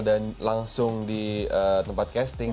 dan langsung di tempat casting